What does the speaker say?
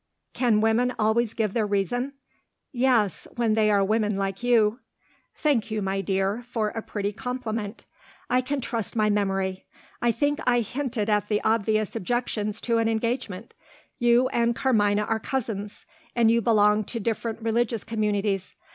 "Can women always give their reason?" "Yes when they are women like you." "Thank you, my dear, for a pretty compliment. I can trust my memory. I think I hinted at the obvious objections to an engagement. You and Carmina are cousins; and you belong to different religious communities.